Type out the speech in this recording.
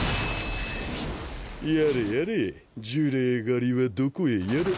やれやれ呪霊狩りはどこへやら。